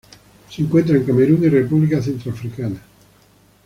Se encuentra en Camerún y República Centroafricana.